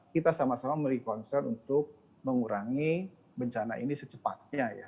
kita sama sama memiliki concern untuk mengurangi bencana ini secepatnya ya